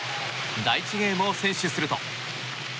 第１ゲームを先取すると。